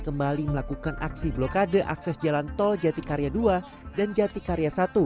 kembali melakukan aksi blokade akses jalan tol jatikarya dua dan jatikarya satu